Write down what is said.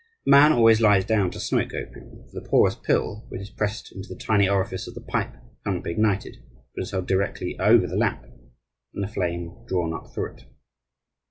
A man always lies down to smoke opium; for the porous pill, which is pressed into the tiny orifice of the pipe, cannot be ignited, but is held directly over the lamp and the flame drawn up through it.